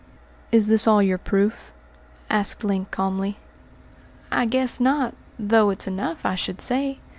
"Is this all your proof?" asked Link calmly. "I guess not, though it's enough, I should say.